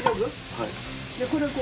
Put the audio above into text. はい。